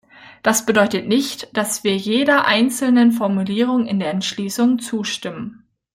Das bedeutet nicht, dass wir jeder einzelnen Formulierung in der Entschließung zustimmen.